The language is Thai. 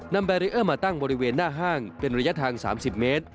แบรีเออร์มาตั้งบริเวณหน้าห้างเป็นระยะทาง๓๐เมตร